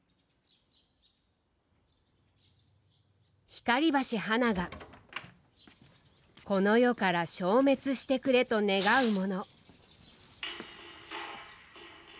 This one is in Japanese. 光橋花が、この世から消滅してくれと願うもの。